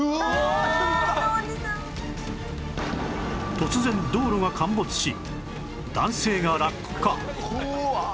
突然道路が陥没し男性が落下怖っ！